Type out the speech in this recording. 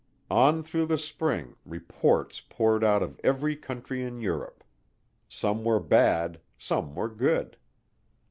On through the spring reports poured out of every country in Europe. Some were bad, some were good.